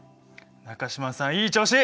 中島さんいい調子！